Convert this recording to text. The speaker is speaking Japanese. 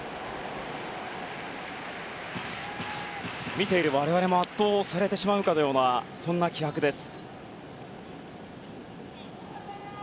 見ている我々も圧倒されてしまうかのようなそんな気迫です。